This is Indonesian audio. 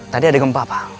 tadi ada gempa pak